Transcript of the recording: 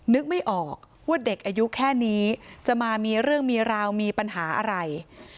นึกไม่ออกว่าเด็กอายุแค่นี้จะมามีเรื่องมีราวมีปัญหาอะไร